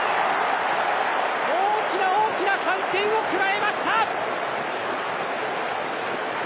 大きな大きな３点を加えました！